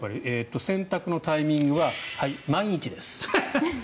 洗濯のタイミングは毎日です。